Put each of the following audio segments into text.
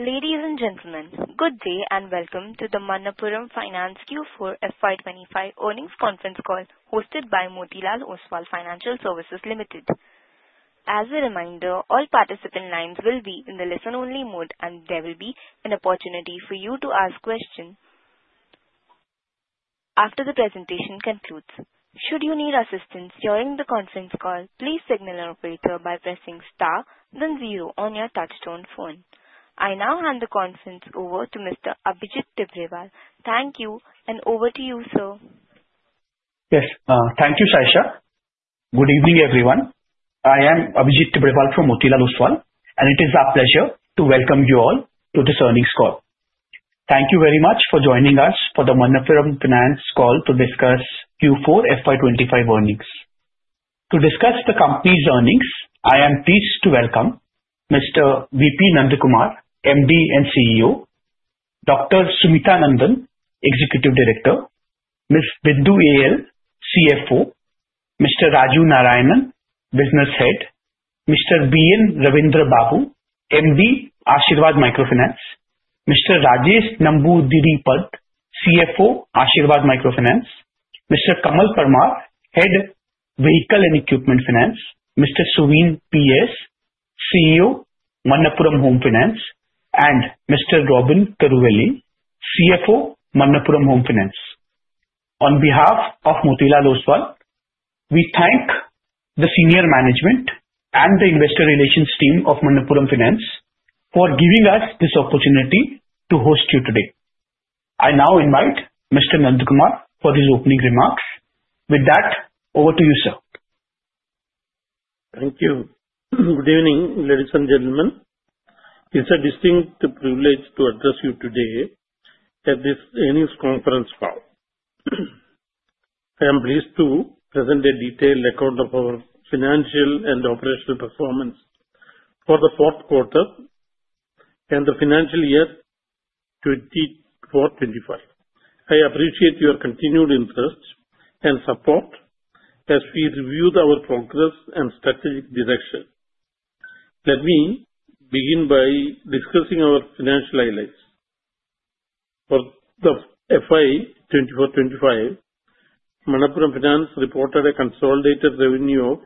Ladies and gentlemen, good day and welcome to the Manappuram Finance Q4 FY 2025 Earnings Conference Call hosted by Motilal Oswal Financial Services Limited. As a reminder, all participant lines will be in the listen-only mode, and there will be an opportunity for you to ask questions after the presentation concludes. Should you need assistance during the conference call, please signal the operator by pressing star, then zero on your touch-tone phone. I now hand the conference over to Mr. Abhijit Tibrewal. Thank you, and over to you, sir. Yes, thank you, Sasha. Good evening, everyone. I am Abhijit Tibrewal from Motilal Oswal, and it is our pleasure to welcome you all to this earnings call. Thank you very much for joining us for the Manappuram Finance call to discuss Q4 FY 2025 earnings. To discuss the company's earnings, I am pleased to welcome Mr. V.P. Nandakumar, MD and CEO, Dr. Sumitha Nandan, Executive Director, Ms. Bindu A. L., CFO, Mr. Raju Narayanan, Business Head, Mr. B.N. Raveendra Babu, MD, Asirvad Microfinance, Mr. Rajesh Namboodiripad, CFO, Asirvad Microfinance, Mr. Kamal Parmar, Head, Vehicle and Equipment Finance, Mr. Suveen P.S, CEO, Manappuram Home Finance, and Mr. Robin Karuvely, CFO, Manappuram Home Finance. On behalf of Motilal Oswal, we thank the senior management and the investor relations team of Manappuram Finance for giving us this opportunity to host you today. I now invite Mr. Nandakumar for his opening remarks. With that, over to you, sir. Thank you. Good evening, ladies and gentlemen. It's a distinct privilege to address you today at this earnings conference call. I am pleased to present a detailed account of our financial and operational performance for the fourth quarter and the financial year 2024-2025. I appreciate your continued interest and support as we reviewed our progress and strategic direction. Let me begin by discussing our financial highlights. For the FY 2024-2025, Manappuram Finance reported a consolidated revenue of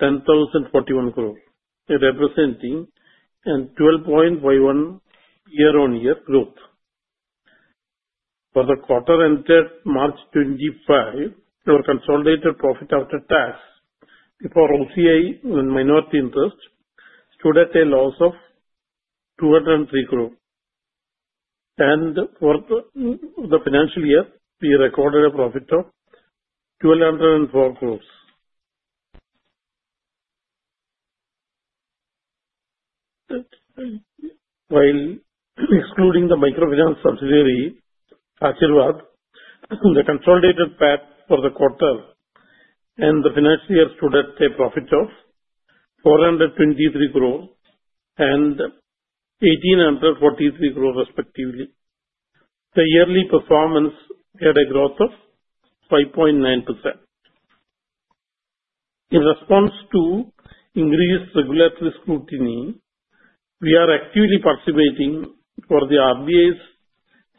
10,041 crore, representing 12.51% year-on-year growth. For the quarter ended March 2025, our consolidated profit after tax, before OCI and minority interest, stood at a loss of 203 crore. And for the financial year, we recorded a profit of 1,204 crore. While excluding the microfinance subsidiary, Asirvad, the consolidated PAT for the quarter and the financial year stood at a profit of 423 crore and 1,843 crore, respectively. The yearly performance had a growth of 5.9%. In response to increased regulatory scrutiny, we are actively participating in the RBI's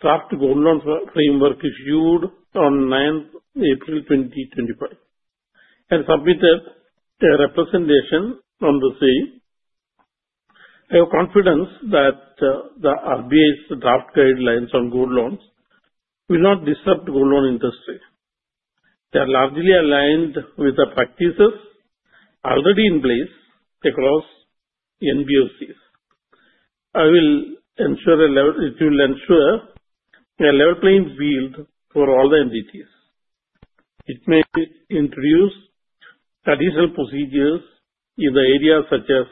Draft Gold Loan Framework issued on April 9, 2025, and submitted a representation on the same. I have confidence that the RBI's draft guidelines on Gold Loans will not disrupt the Gold Loan industry. They are largely aligned with the practices already in place across NBFCs. It will ensure a level playing field for all the entities. It may introduce additional procedures in the areas such as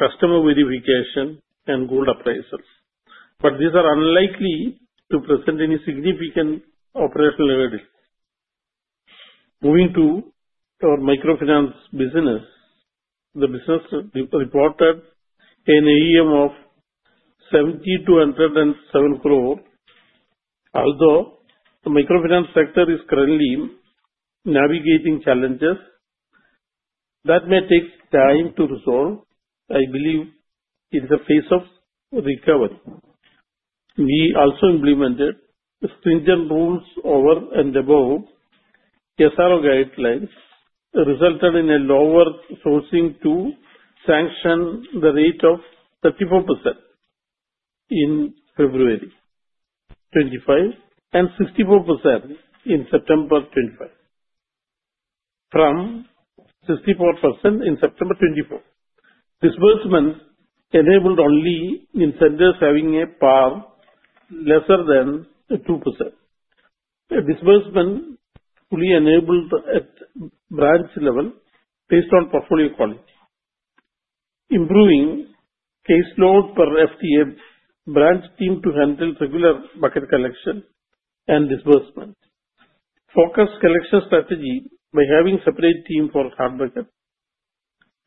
customer verification and gold appraisals, but these are unlikely to present any significant operational headaches. Moving to our microfinance business, the business reported an AUM of 7,207 crore. Although the microfinance sector is currently navigating challenges that may take time to resolve, I believe it is a phase of recovery. We also implemented stringent rules over and above SRO guidelines, resulted in a lower sourcing to sanction the rate of 34% in February 2025 and 64% in September 2025, from 64% in September 2024. Disbursement enabled only in centers having a PAR lesser than 2%. Disbursement fully enabled at branch level based on portfolio quality, improving case load per FTF branch team to handle regular bucket collection and disbursement. Focused collection strategy by having a separate team for hard bucket,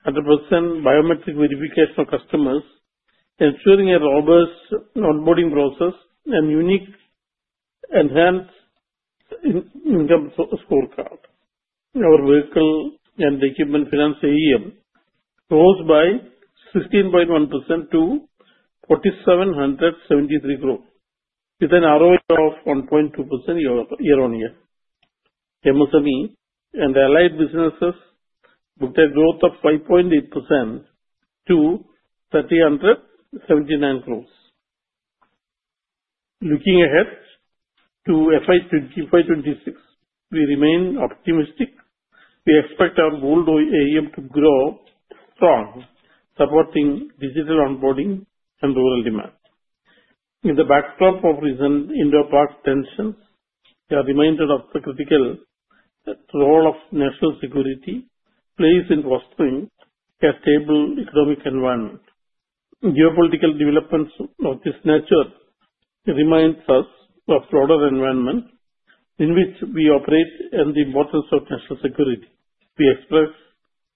100% biometric verification of customers, ensuring a robust onboarding process, and unique enhanced income scorecard. Our vehicle and equipment finance AUM rose by 16.1% to 4,773 crore, with an ROA of 1.2% year-on-year. MSME and allied businesses booked a growth of 5.8% to 3,179 crore. Looking ahead to FY 2025-2026, we remain optimistic. We expect our gold AUM to grow strong, supporting digital onboarding and rural demand. In the backdrop of recent Indo-Pak tensions, we are reminded of the critical role of national security plays in fostering a stable economic environment. Geopolitical developments of this nature remind us of the broader environment in which we operate and the importance of national security. We express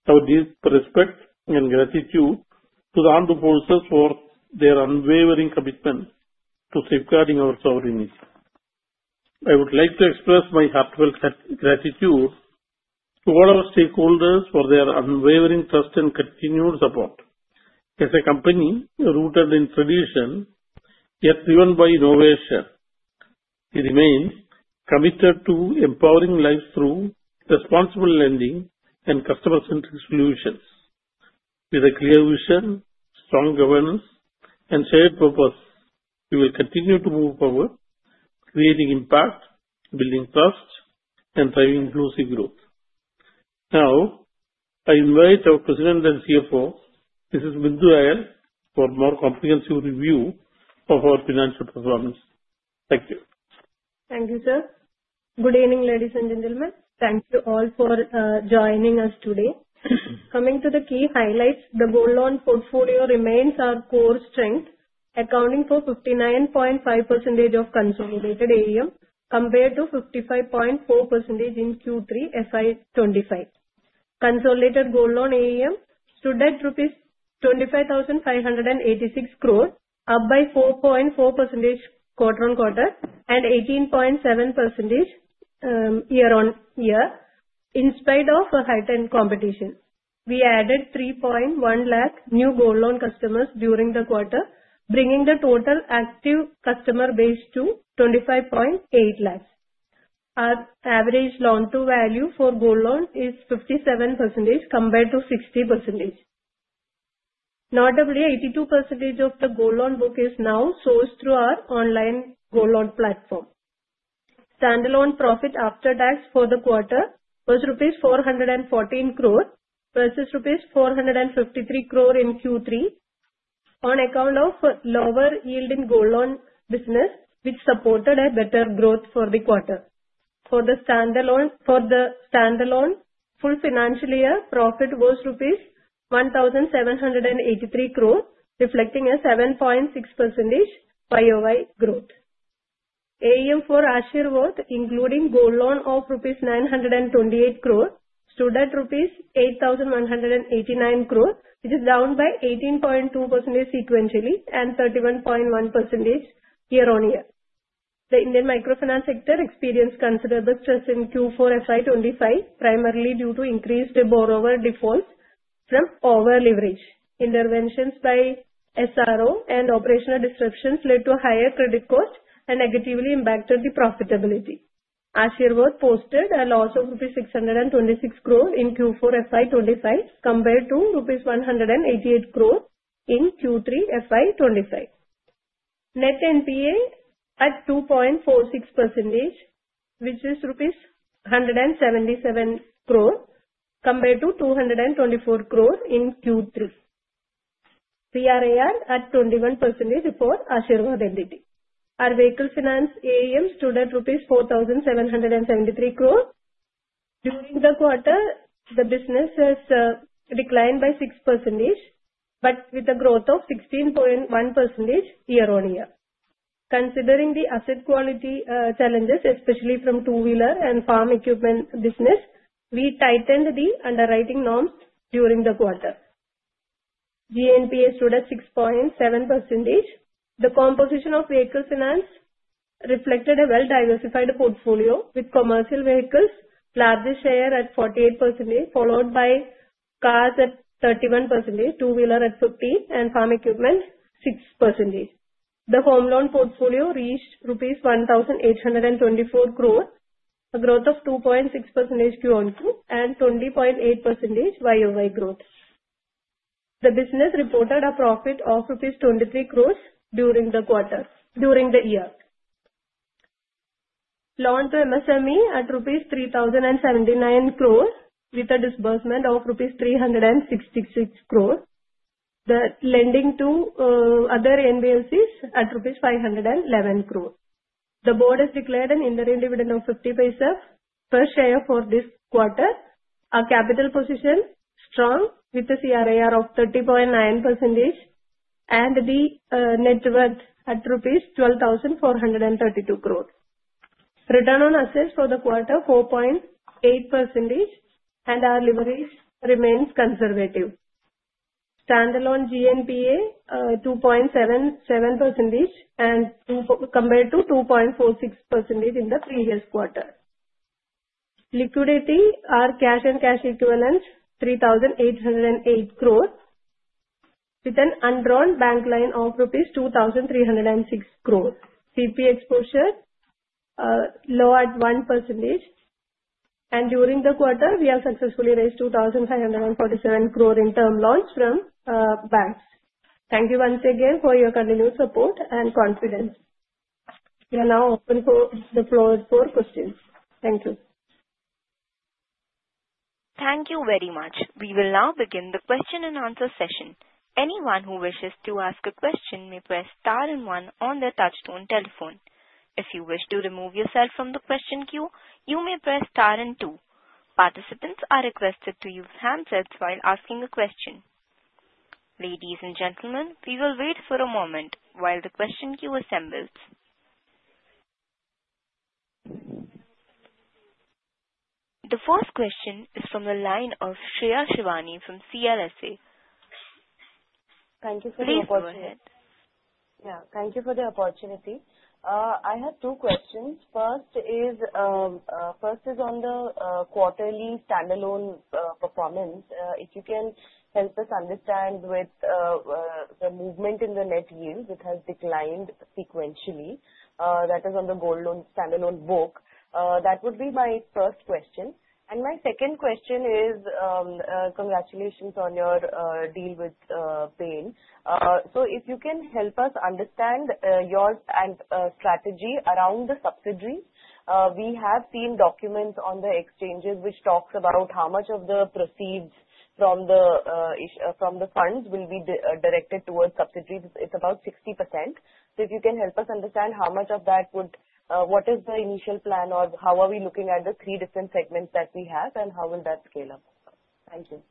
our deep respect and gratitude to the Armed Forces for their unwavering commitment to safeguarding our sovereignty. I would like to express my heartfelt gratitude to all our stakeholders for their unwavering trust and continued support. As a company rooted in tradition yet driven by innovation, we remain committed to empowering lives through responsible lending and customer-centric solutions. With a clear vision, strong governance, and shared purpose, we will continue to move forward, creating impact, building trust, and driving inclusive growth. Now, I invite our President and CFO, Mrs. Bindu A. L., for a more comprehensive review of our financial performance. Thank you. Thank you, sir. Good evening, ladies and gentlemen. Thank you all for joining us today. Coming to the key highlights, the Gold Loan portfolio remains our core strength, accounting for 59.5% of consolidated AUM compared to 55.4% in Q3 FY 2025. Consolidated Gold Loan AUM stood at 25,586 crore rupees, up by 4.4% quarter-on-quarter and 18.7% year-on-year, in spite of heightened competition. We added 3.1 lakh new Gold Loan customers during the quarter, bringing the total active customer base to 25.8 lakhs. Our average loan-to-value for Gold Loan is 57% compared to 60%. Notably, 82% of the Gold Loan book is now sourced through our online Gold Loan platform. Standalone profit after tax for the quarter was INR 414 crore, versus INR 453 crore in Q3, on account of lower yield in Gold Loan business, which supported a better growth for the quarter. For the standalone full financial year, profit was rupees 1,783 crore, reflecting a 7.6% YoY growth. AUM for Asirvad, including Gold Loan of rupees 928 crore, stood at rupees 8,189 crore, which is down by 18.2% sequentially and 31.1% year-on-year. The Indian microfinance sector experienced considerable stress in Q4 FY25, primarily due to increased borrower defaults from over-leverage. Interventions by SRO and operational disruptions led to higher credit costs and negatively impacted the profitability. Asirvad posted a loss of rupees 626 crore in Q4 FY 2025 compared to INR 188 crore in Q3 FY 2025. Net NPA at 2.46%, which is rupees 177 crore compared to 224 crore in Q3. CRAR at 21% for Asirvad entity. Our vehicle finance AUM stood at rupees 4,773 crore. During the quarter, the business has declined by 6%, but with a growth of 16.1% year-on-year. Considering the asset quality challenges, especially from two-wheeler and farm equipment business, we tightened the underwriting norms during the quarter. GNPA stood at 6.7%. The composition of vehicle finance reflected a well-diversified portfolio, with Commercial Vehicles largely shared at 48%, followed by Cars at 31%, Two-Wheeler at 50%, and Farm Equipment 6%. The Home Loan portfolio reached rupees 1,824 crore, a growth of 2.6% QoQ and 20.8% YoY growth. The business reported a profit of rupees 23 crore during the year. Loan to MSME at rupees 3,079 crore, with a disbursement of rupees 366 crore. The lending to other NBFCs at rupees 511 crore. The board has declared an interim dividend of 50 per share for this quarter. Our capital position is strong, with a CRAR of 30.9% and the net worth at rupees 12,432 crore. Return on assets for the quarter is 4.8%, and our leverage remains conservative. Standalone GNPA is 2.77% compared to 2.46% in the previous quarter. Liquidity: our cash and cash equivalents are 3,808 crore, with an un-drawn bank line of rupees 2,306 crore. CP exposure is low at 1%, and during the quarter, we have successfully raised 2,547 crore in term loans from banks. Thank you once again for your continued support and confidence. We are now opening the floor for questions. Thank you. Thank you very much. We will now begin the question-and-answer session. Anyone who wishes to ask a question may press star and one on their touch-tone telephone. If you wish to remove yourself from the question queue, you may press star and two. Participants are requested to use handsets while asking a question. Ladies and gentlemen, we will wait for a moment while the question queue assembles. The first question is from the line of Shreya Shivani from CLSA. Thank you for the opportunity. Please go ahead. Yeah, thank you for the opportunity. I have two questions. First is on the quarterly standalone performance. If you can help us understand with the movement in the net yield, which has declined sequentially, that is on the Gold Loan standalone book, that would be my first question. And my second question is, congratulations on your deal with Bain. So if you can help us understand your strategy around the subsidiaries, we have seen documents on the exchanges which talk about how much of the proceeds from the funds will be directed towards subsidiaries. It's about 60%. So if you can help us understand how much of that would, what is the initial plan, or how are we looking at the three different segments that we have, and how will that scale up? Thank you.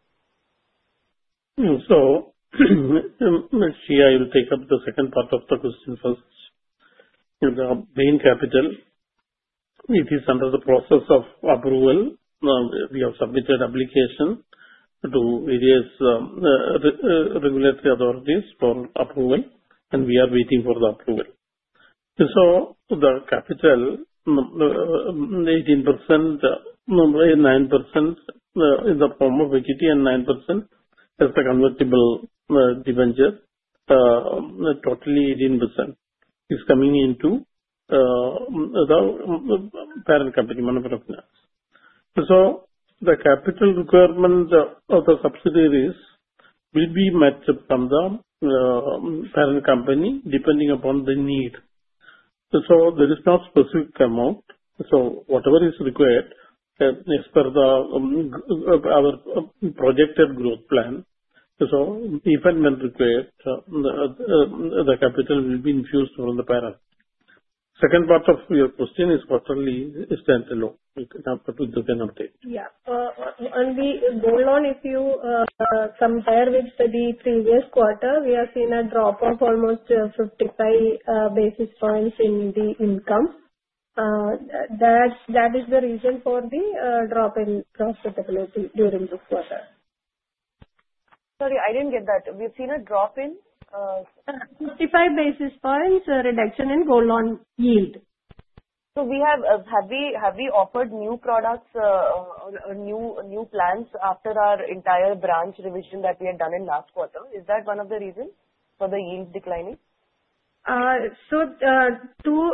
So let's see. I will take up the second part of the question first. The Bain Capital, it is under the process of approval. We have submitted application to various regulatory authorities for approval, and we are waiting for the approval. So the capital, 18%, 9% in the form of equity, and 9% as the convertible debenture, totally 18%, is coming into the parent company, Manappuram Finance. So the capital requirement of the subsidiaries will be matched from the parent company, depending upon the need. So there is no specific amount. So whatever is required, as per our projected growth plan, so if and when required, the capital will be infused from the parent. Second part of your question is quarterly standalone. With that, Bindu can give an update. Yeah. On the Gold Loan, if you compare with the previous quarter, we have seen a drop of almost 55 basis points in the income. That is the reason for the drop in profitability during this quarter. Sorry, I didn't get that. We've seen a drop in. 55 basis points reduction in Gold Loan yield. Have we offered new products or new plans after our entire branch revision that we had done in last quarter? Is that one of the reasons for the yield declining? So two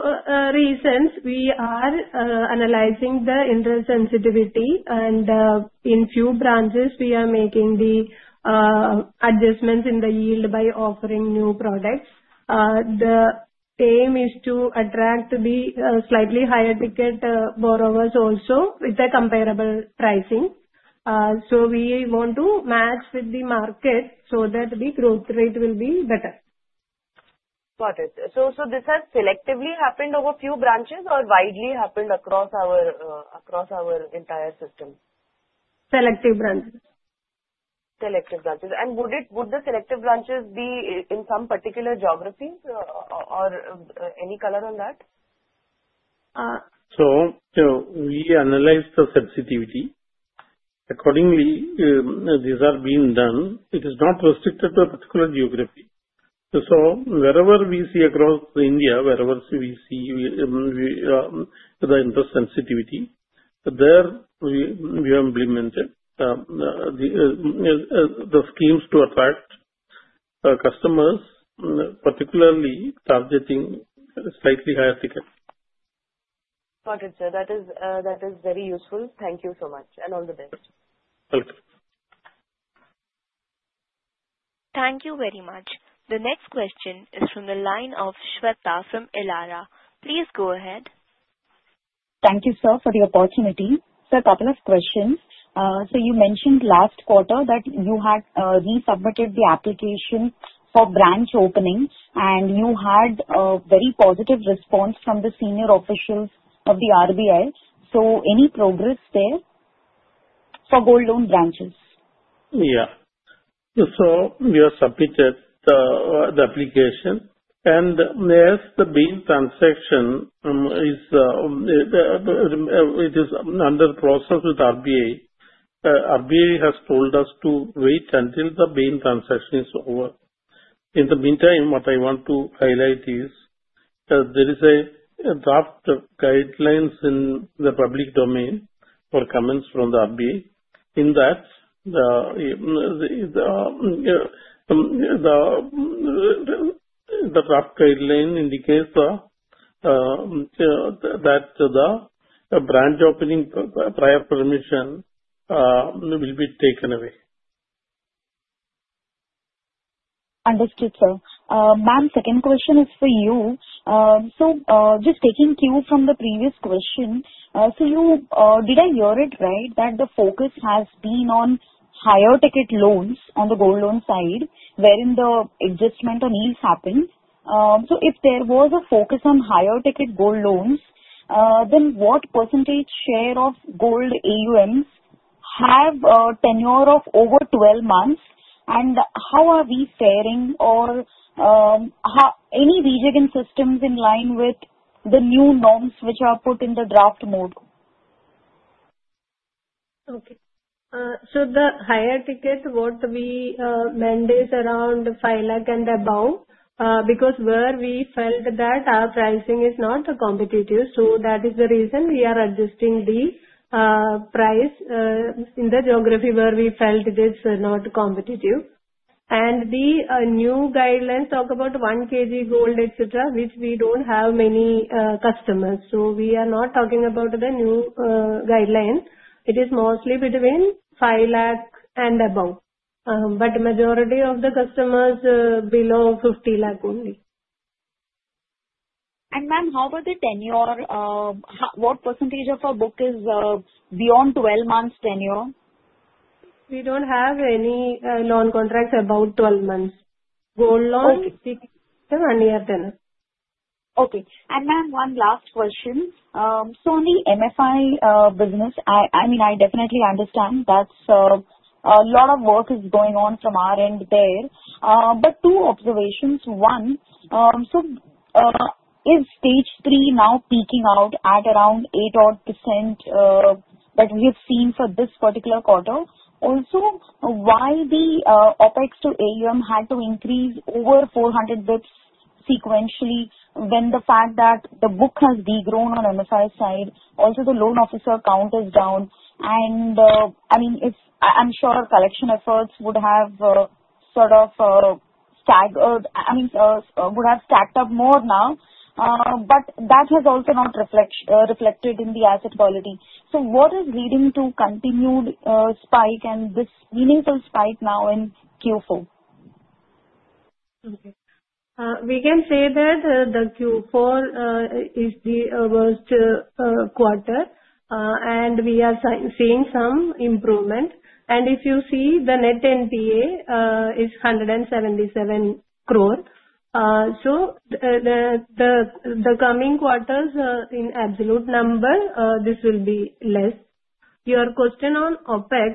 reasons. We are analyzing the interest sensitivity, and in a few branches, we are making the adjustments in the yield by offering new products. The aim is to attract the slightly higher ticket borrowers also with a comparable pricing. So we want to match with the market so that the growth rate will be better. Got it. So this has selectively happened over a few branches or widely happened across our entire system? Selective branches. Selective branches. And would the selective branches be in some particular geographies or any color on that? So we analyze the sensitivity. Accordingly, these are being done. It is not restricted to a particular geography. So wherever we see across India, wherever we see the interest sensitivity, there we have implemented the schemes to attract customers, particularly targeting slightly higher ticket. Got it, sir. That is very useful. Thank you so much, and all the best. Welcome. Thank you very much. The next question is from the line of Shweta from Elara. Please go ahead. Thank you, sir, for the opportunity. Sir, a couple of questions. So you mentioned last quarter that you had resubmitted the application for branch opening, and you had a very positive response from the senior officials of the RBI. So any progress there for Gold Loan branches? Yeah. So we have submitted the application, and as the main transaction is under process with RBI, RBI has told us to wait until the main transaction is over. In the meantime, what I want to highlight is there is a draft guidelines in the public domain for comments from the RBI in that the draft guideline indicates that the branch opening prior permission will be taken away. Understood, sir. Ma'am, second question is for you. So just taking cue from the previous question, so did I hear it right that the focus has been on higher ticket loans on the Gold Loan side, wherein the adjustment on yields happened? So if there was a focus on higher ticket Gold Loans, then what percentage share of Gold AUMs have a tenure of over 12 months, and how are we faring, or any rejigging systems in line with the new norms which are put in the draft mode? Okay, so the higher ticket, what we mandate around 5 lakh and above, because where we felt that our pricing is not competitive, so that is the reason we are adjusting the price in the geography where we felt it is not competitive, and the new guidelines talk about 1 kg gold, etc., which we don't have many customers, so we are not talking about the new guideline. It is mostly between 5 lakh and above, but the majority of the customers below 50 lakh only. Ma'am, how about the tenure? What percentage of our book is beyond 12 months tenure? We don't have any loan contracts above 12 months. Gold Loan is one-year tenure. Okay. And Ma'am, one last question. So on the MFI business, I mean, I definitely understand that a lot of work is going on from our end there. But two observations. One, so is stage three now peaking out at around 8 odd % that we have seen for this particular quarter? Also, why the OpEx to AUM had to increase over 400 basis points sequentially when the fact that the book has degrown on MFI side, also the loan officer count is down? And I mean, I'm sure collection efforts would have sort of staggered, I mean, would have stacked up more now, but that has also not reflected in the asset quality. So what is leading to continued spike and this meaningful spike now in Q4? Okay. We can say that the Q4 is the worst quarter, and we are seeing some improvement. And if you see, the net NPA is 177 crore. So the coming quarters, in absolute number, this will be less. Your question on OpEx,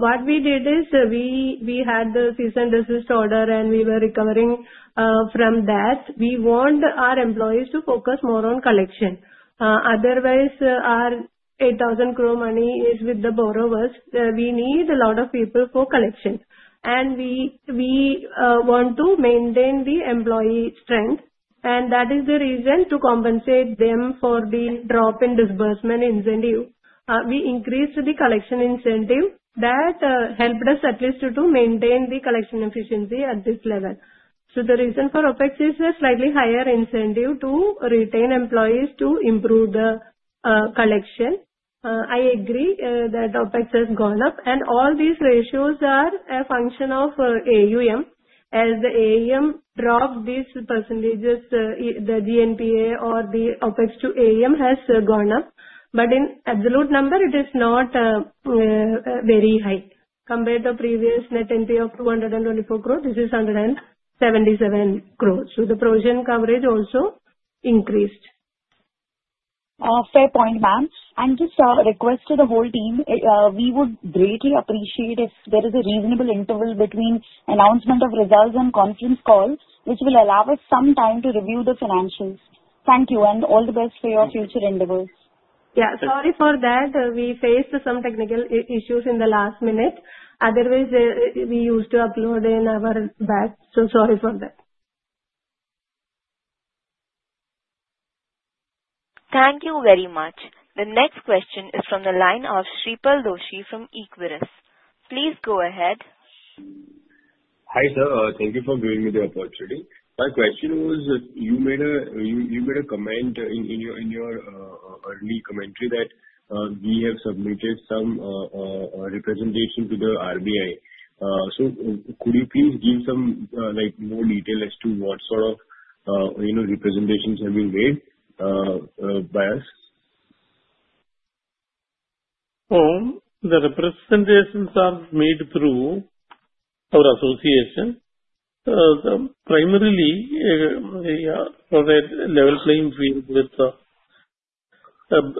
what we did is we had the cease and desist order, and we were recovering from that. We want our employees to focus more on collection. Otherwise, our 8,000 crore money is with the borrowers. We need a lot of people for collection. And we want to maintain the employee strength. And that is the reason to compensate them for the drop in disbursement incentive. We increased the collection incentive. That helped us at least to maintain the collection efficiency at this level. So the reason for OpEx is a slightly higher incentive to retain employees to improve the collection. I agree that OpEx has gone up, and all these ratios are a function of AUM. As the AUM dropped, these percentages, the GNPA or the OpEx to AUM has gone up. But in absolute number, it is not very high. Compared to previous net NPA of 224 crore, this is 177 crore. So the provision coverage also increased. Fair point, Ma'am. And just a request to the whole team, we would greatly appreciate if there is a reasonable interval between announcement of results and conference call, which will allow us some time to review the financials. Thank you, and all the best for your future endeavors. Yeah. Sorry for that. We faced some technical issues in the last minute. Otherwise, we used to upload in our backend. So sorry for that. Thank you very much. The next question is from the line of Shreepal Doshi from Equirus. Please go ahead. Hi, sir. Thank you for giving me the opportunity. My question was, you made a comment in your early commentary that we have submitted some representation to the RBI. So could you please give some more detail as to what sort of representations have been made by us? Oh, the representations are made through our association. Primarily, for the level playing field with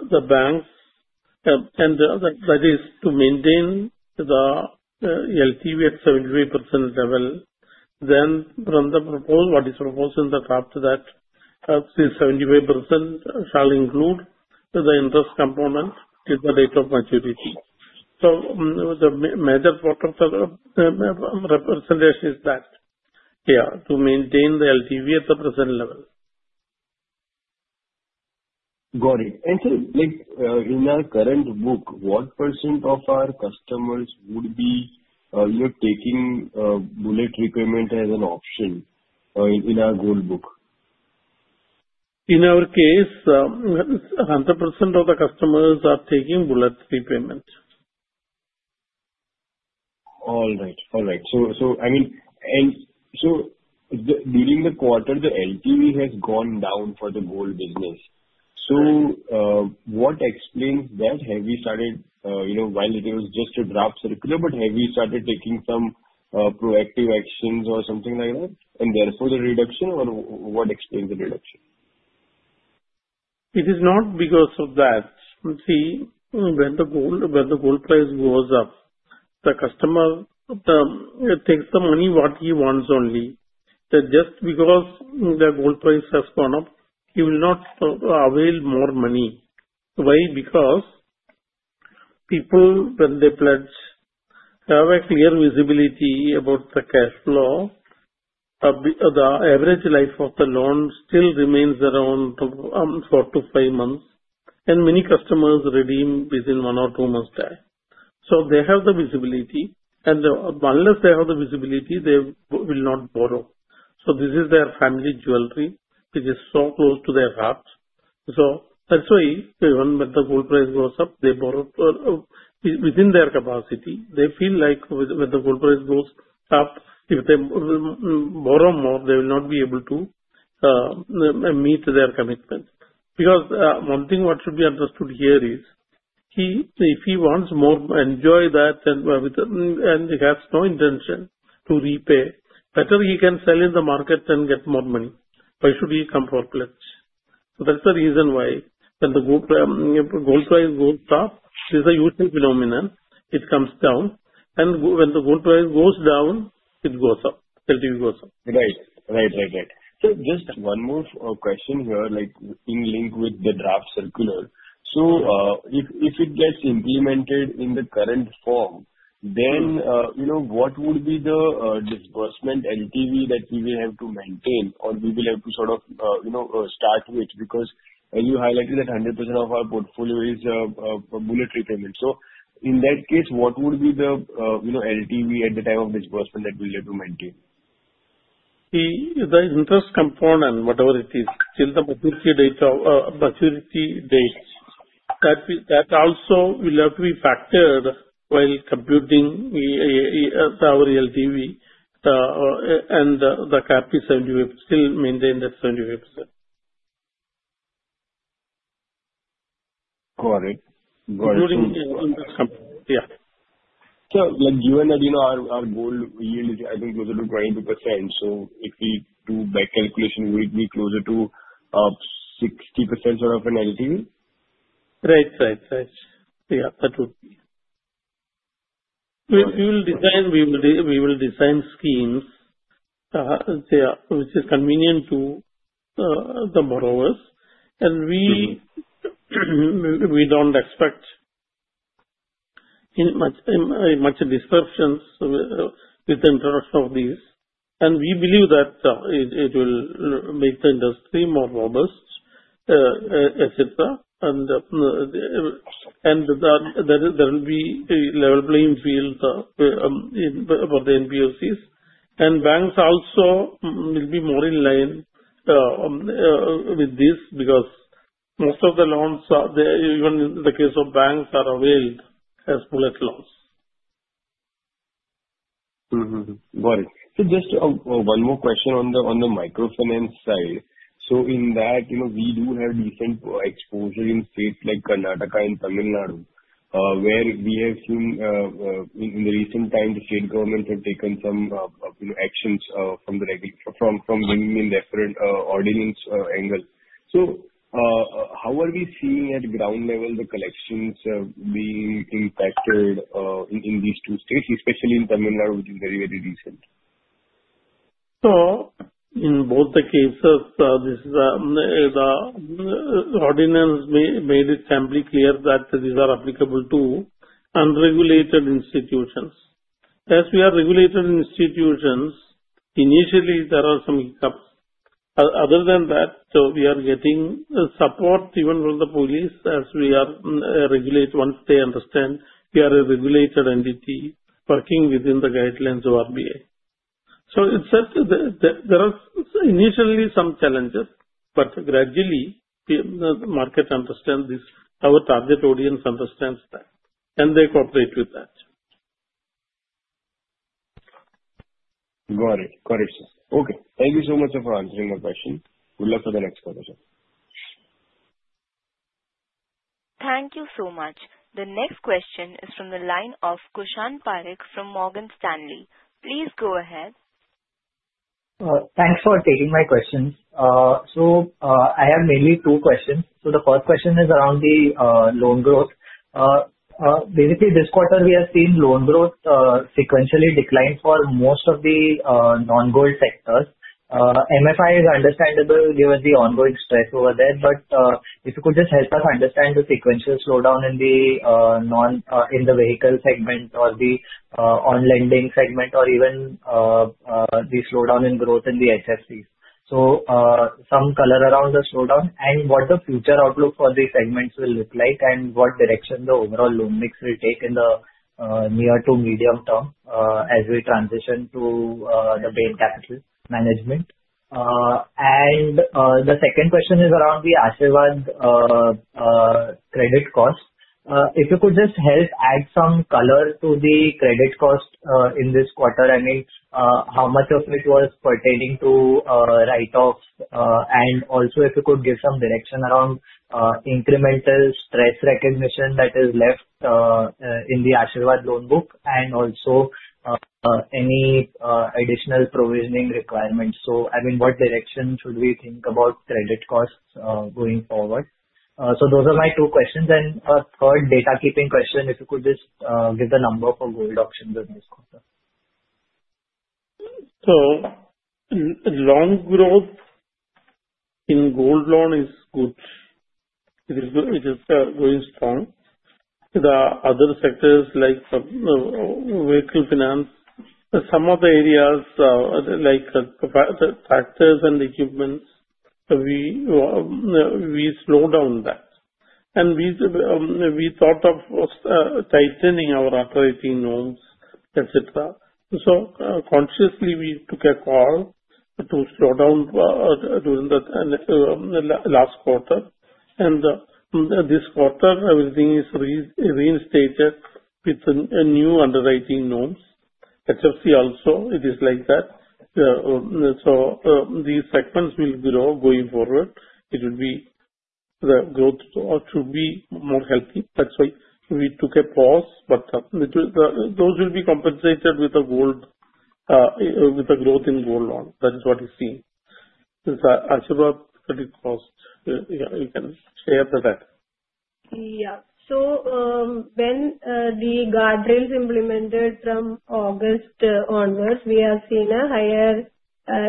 the banks, and that is to maintain the LTV at 75% level. Then from the proposal, what is proposed in the draft to that, the 75% shall include the interest component till the date of maturity. So the major part of the representation is that, yeah, to maintain the LTV at the present level. Got it. Sir, in our current book, what % of our customers would be taking bullet repayment as an option in our Gold Book? In our case, 100% of the customers are taking bullet repayment. All right. So I mean, during the quarter, the LTV has gone down for the gold business. So what explains that? Have we started, while it was just a draft circular, but have we started taking some proactive actions or something like that? And therefore, the reduction, or what explains the reduction? It is not because of that. See, when the gold price goes up, the customer takes the money what he wants only. Just because the gold price has gone up, he will not avail more money. Why? Because people, when they pledge, have a clear visibility about the cash flow. The average life of the loan still remains around four to five months, and many customers redeem within one or two months' time. So they have the visibility, and unless they have the visibility, they will not borrow. So this is their family jewelry, which is so close to their heart. So that's why, even when the gold price goes up, they borrow within their capacity. They feel like when the gold price goes up, if they borrow more, they will not be able to meet their commitment. Because one thing what should be understood here is, if he wants more, enjoy that, and he has no intention to repay, better he can sell in the market and get more money. Why should he come for pledge? So that's the reason why when the Gold price goes up, there's a usual phenomenon. It comes down. And when the Gold price goes down, it goes up. LTV goes up. Right. So just one more question here in line with the draft circular. So if it gets implemented in the current form, then what would be the disbursement LTV that we will have to maintain, or we will have to sort of start with? Because as you highlighted that 100% of our portfolio is bullet repayment. So in that case, what would be the LTV at the time of disbursement that we will have to maintain? See, the interest component, whatever it is, till the maturity date, that also will have to be factored while computing our LTV, and the cap is 75%, still maintain that 75%. Got it. Got it. Including interest component. Yeah. So given that our gold yield, I think, is close to 22%, so if we do back calculation, will it be closer to 60% sort of an LTV? Yeah. That would be. We will design schemes which is convenient to the borrowers, and we don't expect much disruptions with the introduction of these. We believe that it will make the industry more robust, etc. There will be level playing field for the NBFCs. Banks also will be more in line with this because most of the loans, even in the case of banks, are availed as bullet loans. Got it. So just one more question on the microfinance side. So in that, we do have decent exposure in states like Karnataka and Tamil Nadu, where we have seen in the recent time the state governments have taken some actions from a different ordinance angle. So how are we seeing at ground level the collections being impacted in these two states, especially in Tamil Nadu, which is very, very decent? In both the cases, the ordinance made it simply clear that these are applicable to unregulated institutions. As we are regulated institutions, initially, there are some hiccups. Other than that, we are getting support even from the police as we are regulated once they understand we are a regulated entity working within the guidelines of RBI. There are initially some challenges, but gradually the market understands this. Our target audience understands that, and they cooperate with that. Got it. Got it, sir. Okay. Thank you so much for answering my question. Good luck for the next quarter, sir. Thank you so much. The next question is from the line of Kushan Parikh from Morgan Stanley. Please go ahead. Thanks for taking my question. So I have mainly two questions. So the first question is around the loan growth. Basically, this quarter, we have seen loan growth sequentially decline for most of the non-gold sectors. MFI is understandable given the ongoing stress over there. But if you could just help us understand the sequential slowdown in the vehicle segment or the on-lending segment or even the slowdown in growth in the HFCs? So some color around the slowdown and what the future outlook for these segments will look like and what direction the overall loan mix will take in the near to medium term as we transition to the Bain Capital management. And the second question is around the Asirvad credit cost. If you could just help add some color to the credit cost in this quarter, I mean, how much of it was pertaining to write-offs? Also, if you could give some direction around incremental stress recognition that is left in the Asirvad loan book and also any additional provisioning requirements. So I mean, what direction should we think about credit costs going forward? So those are my two questions. And a third housekeeping question, if you could just give the number for Gold loans in this quarter. So loan growth in Gold Loan is good. It is going strong. The other sectors like Vehicle Finance, some of the areas like tractors and equipment, we slowed down that. And we thought of tightening our operating norms, etc. So consciously, we took a call to slow down during the last quarter. And this quarter, everything is reinstated with new underwriting norms. HFC also, it is like that. So these segments will grow going forward. It will be the growth should be more healthy. That's why we took a pause. But those will be compensated with the growth in Gold Loan. That is what we've seen. The Asirvad credit cost, you can share the data. Yeah. So when the guardrails implemented from August onwards, we have seen a higher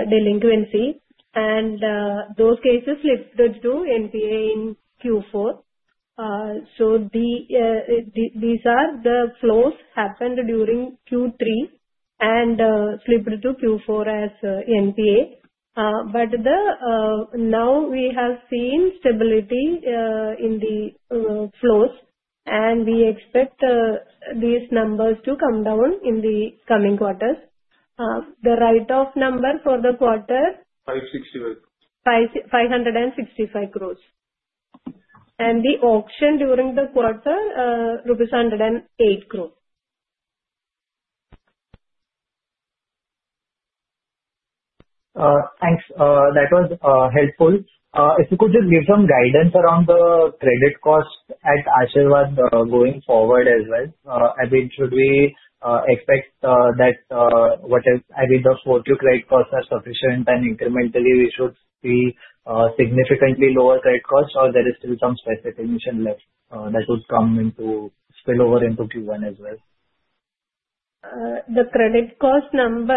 delinquency, and those cases slipped to NPA in Q4, so these are the flows that happened during Q3 and slipped to Q4 as NPA, but now we have seen stability in the flows, and we expect these numbers to come down in the coming quarters. The write-off number for the quarter. 565. 565 crore. And the auction during the quarter, rupees 108 crore. Thanks. That was helpful. If you could just give some guidance around the credit cost at Asirvad going forward as well. I mean, should we expect that? I mean, those four-tier credit costs are sufficient, and incrementally, we should see significantly lower credit costs, or there is still some specific provision left that would spill over into Q1 as well? The credit cost number,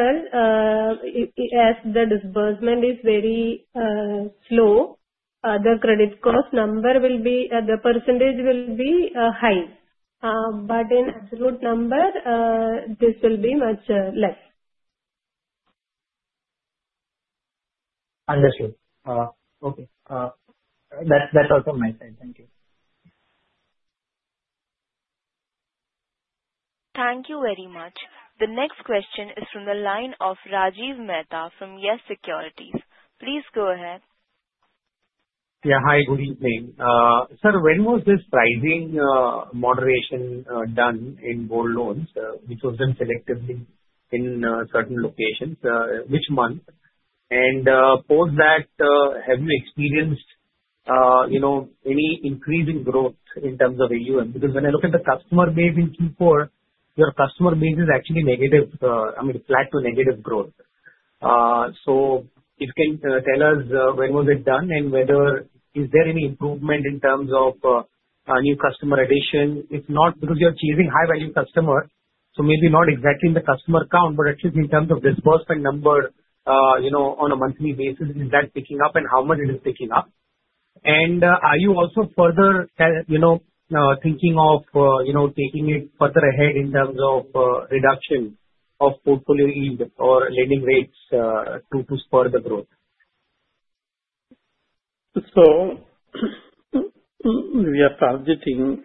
as the disbursement is very slow, will be the percentage high. But in absolute number, this will be much less. Understood. Okay. That's all from my side. Thank you. Thank you very much. The next question is from the line of Rajiv Mehta from YES SECURITIES. Please go ahead. Yeah. Hi. Good evening. Sir, when was this pricing moderation done in Gold Loans? Which was done selectively in certain locations? Which month? And post that, have you experienced any increase in growth in terms of AUM? Because when I look at the customer base in Q4, your customer base is actually negative, I mean, flat to negative growth. So if you can tell us when was it done and whether is there any improvement in terms of new customer addition? If not, because you're chasing high-value customers, so maybe not exactly in the customer count, but at least in terms of disbursement number on a monthly basis, is that picking up and how much it is picking up? And are you also further thinking of taking it further ahead in terms of reduction of portfolio yield or lending rates to spur the growth? So we are targeting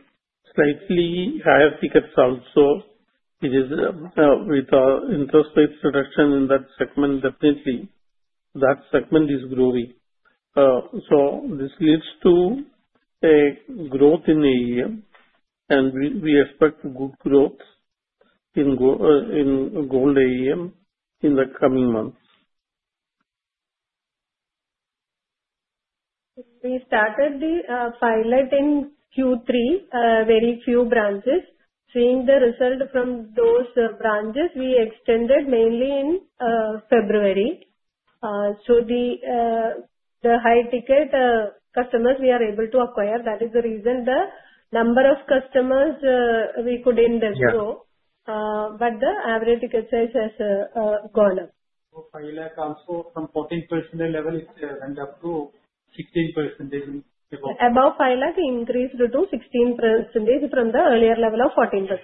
slightly higher tickets also, which is with interest rates reduction in that segment, definitely. That segment is growing. So this leads to a growth in AUM, and we expect good growth in Gold AUM in the coming months. We started the pilot in Q3, very few branches. Seeing the result from those branches, we extended mainly in February. So the high-ticket customers we are able to acquire, that is the reason the number of customers we couldn't grow. But the average ticket size has gone up. INR 5 lakh also from 14% level is went up to 16%. Above INR 5 lakh, increased to 16% from the earlier level of 14%.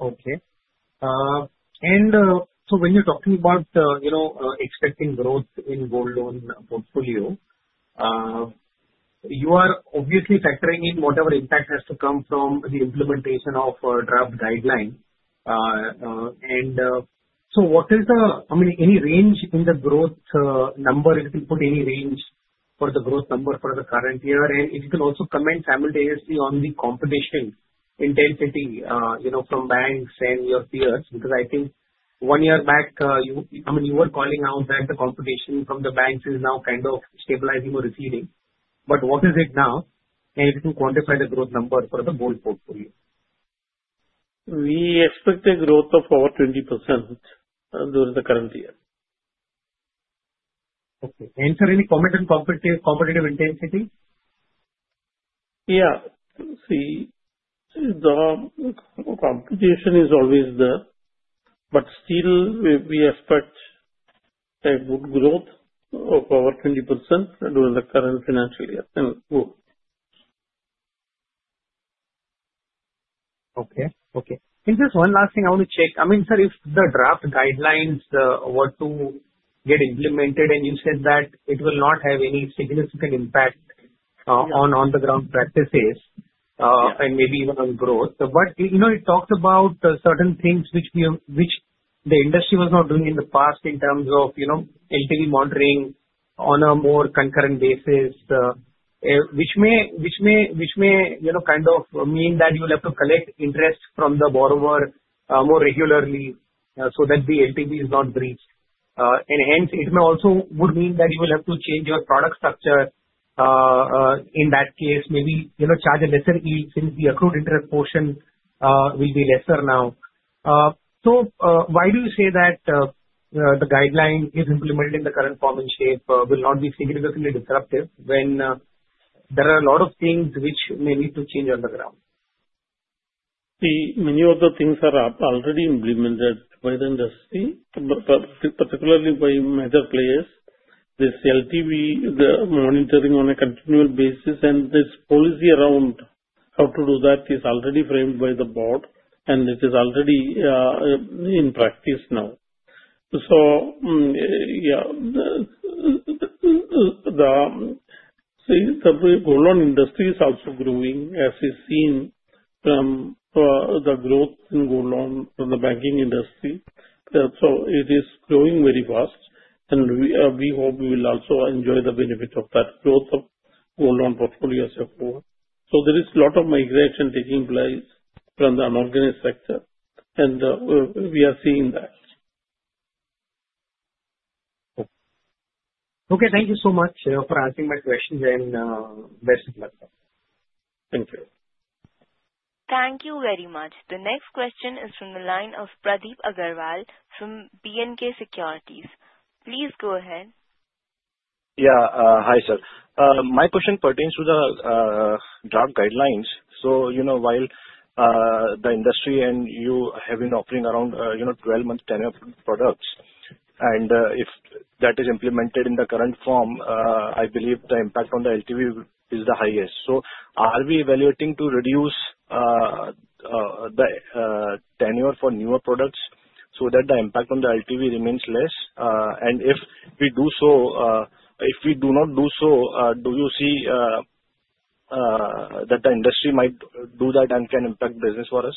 Okay. And so when you're talking about expecting growth in Gold Loan portfolio, you are obviously factoring in whatever impact has to come from the implementation of the RBI guideline. And so what is the, I mean, any range in the growth number? If you can put any range for the growth number for the current year, and if you can also comment simultaneously on the competition intensity from banks and your peers, because I think one year back, I mean, you were calling out that the competition from the banks is now kind of stabilizing or receding. But what is it now? And if you can quantify the growth number for the Gold Loan portfolio. We expect a growth of over 20% during the current year. Okay. Any comment on competitive intensity? Yeah. See, the competition is always there. But still, we expect a good growth of over 20% during the current financial year. Okay. Okay. And just one last thing I want to check. I mean, sir, if the draft guidelines were to get implemented, and you said that it will not have any significant impact on on-the-ground practices and maybe even on growth. But you talked about certain things which the industry was not doing in the past in terms of LTV monitoring on a more concurrent basis, which may kind of mean that you will have to collect interest from the borrower more regularly so that the LTV is not breached. And hence, it may also mean that you will have to change your product structure. In that case, maybe charge a lesser yield since the accrued interest portion will be lesser now. So why do you say that the guideline is implemented in the current form and shape will not be significantly disruptive when there are a lot of things which may need to change on the ground? See, many of the things are already implemented by the industry, particularly by major players. This LTV monitoring on a continual basis and this policy around how to do that is already framed by the board, and it is already in practice now. So yeah, the Gold Loan industry is also growing, as we've seen from the growth in Gold Loan from the banking industry. So it is growing very fast, and we hope we will also enjoy the benefit of that growth of Gold Loan portfolios going forward. So there is a lot of migration taking place from the unorganized sector, and we are seeing that. Okay. Thank you so much for answering my question, and best of luck. Thank you. Thank you very much. The next question is from the line of Pradeep Agrawal from B&K Securities. Please go ahead. Yeah. Hi, sir. My question pertains to the draft guidelines. So while the industry and you have been offering around 12-month tenure products, and if that is implemented in the current form, I believe the impact on the LTV is the highest. So are we evaluating to reduce the tenure for newer products so that the impact on the LTV remains less? And if we do so, if we do not do so, do you see that the industry might do that and can impact business for us?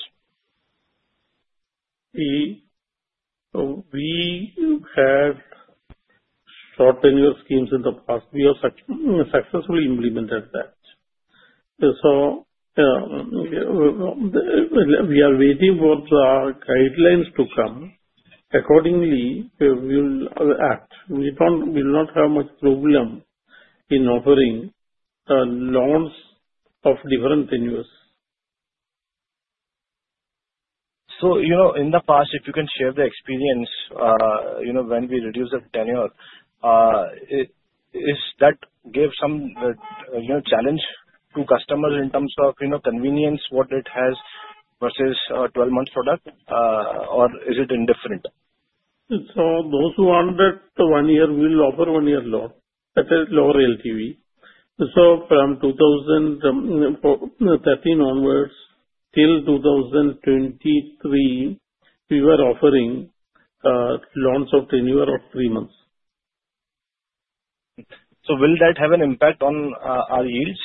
See, we have short tenure schemes in the past. We have successfully implemented that. So we are waiting for the guidelines to come. Accordingly, we will act. We will not have much problem in offering loans of different tenures. In the past, if you can share the experience when we reduce the tenure, has that given some challenge to customers in terms of convenience, what it has versus a 12-month product, or is it indifferent? So, those who want that one-year, we'll offer one-year loan, that is lower LTV. So, from 2013 onwards till 2023, we were offering loans of tenure of three months. So will that have an impact on our yields?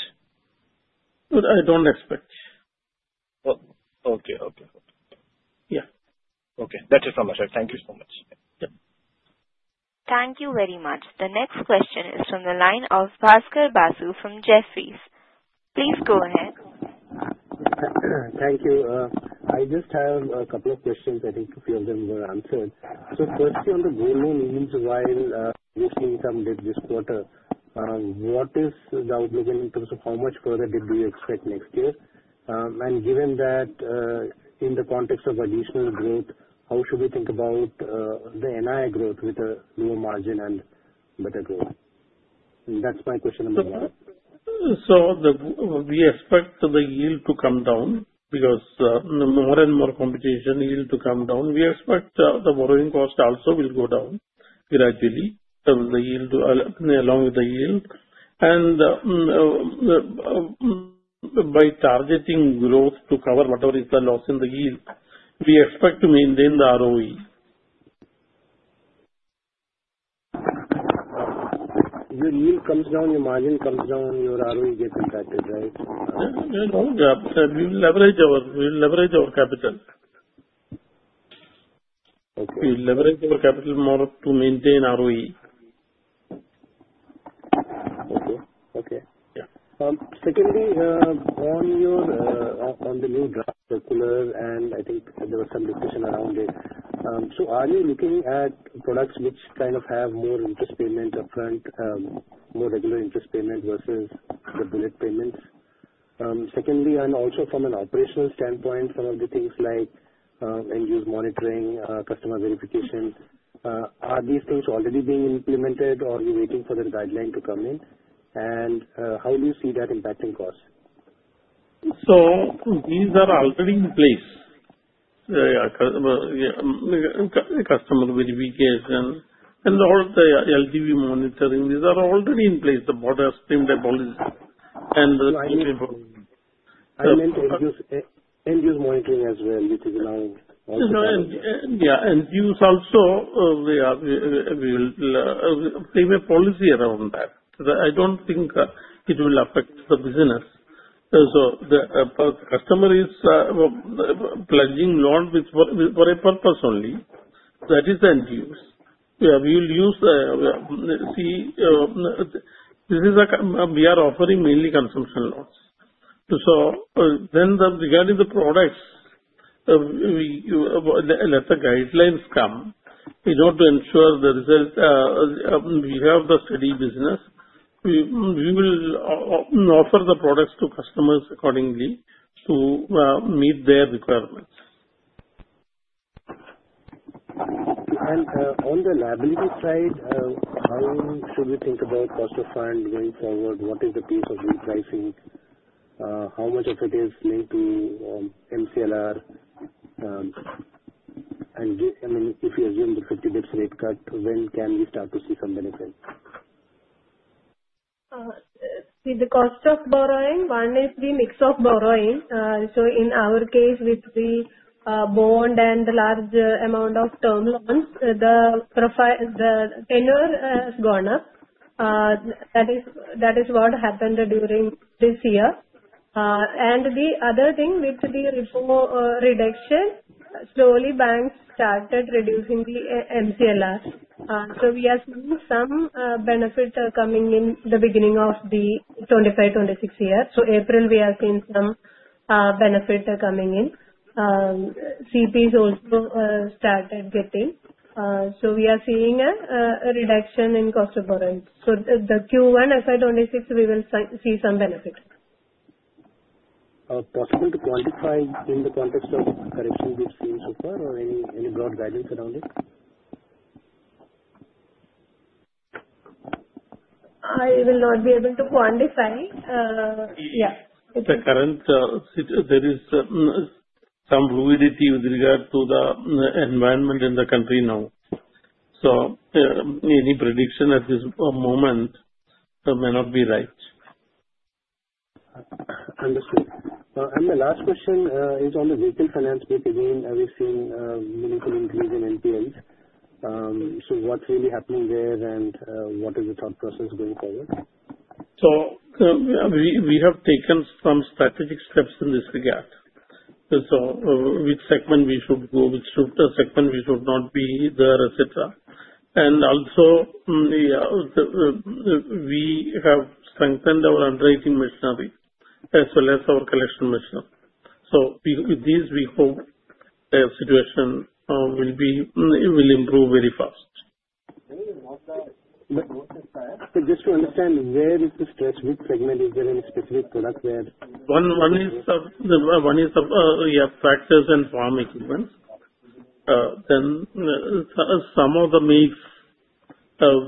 I don't expect. Okay. Yeah. Okay. That's it from my side. Thank you so much. Thank you very much. The next question is from the line of Bhaskar Basu from Jefferies. Please go ahead. Thank you. I just have a couple of questions. I think a few of them were answered. So firstly, on the Gold Loan yields while this income did this quarter, what is the outlook in terms of how much further did we expect next year? And given that in the context of additional growth, how should we think about the NII growth with a lower margin and better growth? That's my question number one. So we expect the yield to come down because more and more competition. We expect the borrowing cost also will go down gradually along with the yield. And by targeting growth to cover whatever is the loss in the yield, we expect to maintain the ROE. Your yield comes down, your margin comes down, your ROE gets impacted, right? We'll leverage our capital. We'll leverage our capital more to maintain ROE. Okay. Okay. Secondly, on the new draft circular, and I think there was some discussion around it. So are you looking at products which kind of have more interest payment upfront, more regular interest payment versus the bullet payments? Secondly, and also from an operational standpoint, some of the things like end-use monitoring, customer verification, are these things already being implemented, or are you waiting for the guideline to come in? And how do you see that impacting costs? So these are already in place. Customer verification and all the LTV monitoring, these are already in place. The board has streamlined the policy and. Like end-use monitoring as well, which is now also. Yeah. End-use also, we will frame a policy around that. I don't think it will affect the business. So the customer is pledging loan for a purpose only. That is end-use. We will see, we are offering mainly consumption loans. So then regarding the products, let the guidelines come. We want to ensure the result. We have the steady business. We will offer the products to customers accordingly to meet their requirements. On the liability side, how should we think about cost of fund going forward? What is the pace of repricing? How much of it is linked to MCLR? And I mean, if you assume the 50 basis points rate cut, when can we start to see some benefit? See, the cost of borrowing one is the mix of borrowing. So in our case, with the bond and large amount of term loans, the tenure has gone up. That is what happened during this year. And the other thing with the reduction, slowly banks started reducing the MCLR. So we are seeing some benefit coming in the beginning of the 2025-2026 year. So April, we are seeing some benefit coming in. CPs also started getting. So we are seeing a reduction in cost of borrowing. So the Q1 FY 2026, we will see some benefits. Possible to quantify in the context of corrections we've seen so far or any broad guidance around it? I will not be able to quantify. Yeah. Currently, there is some fluidity with regard to the environment in the country now. So any prediction at this moment may not be right. Understood. And the last question is on the retail finance. Again, we've seen meaningful increase in NPLs. So what's really happening there and what is the thought process going forward? So we have taken some strategic steps in this regard. So which segment we should go, which sector segment we should not be there, etc. And also, we have strengthened our underwriting machinery as well as our collection machinery. So with these, we hope the situation will improve very fast. Okay. Just to understand, where is the stretch? Which segment is there in a specific product where? One is factoring and farm equipment. Then some of the mix,